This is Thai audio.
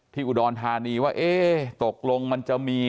อุดรธานีว่าเอ๊ะตกลงมันจะมี